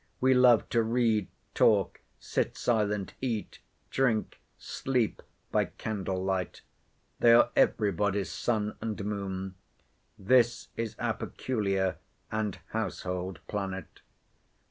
—We love to read, talk, sit silent, eat, drink, sleep, by candle light. They are every body's sun and moon. This is our peculiar and household planet.